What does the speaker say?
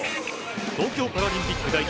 東京パラリンピック代表